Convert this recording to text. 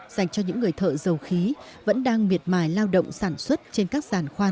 dành cho những người thợ dầu khí vẫn đang miệt mài lao động sản xuất trên các giàn khoan